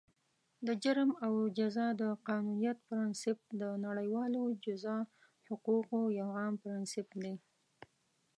د جرم او جزا د قانونیت پرانسیپ، د نړیوالو جزا حقوقو یو عام پرانسیپ دی.